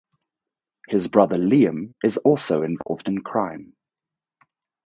His brother Liam is also involved in crime.